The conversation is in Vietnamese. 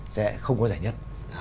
sẽ không có giải nhất